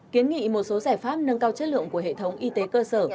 kiến nghị một số giải pháp nâng cao chất lượng của hệ thống y tế cơ sở